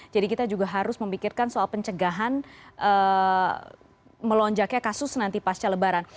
jadi kita juga harus memikirkan soal pencegahan melonjaknya kasus nanti pasca lebaran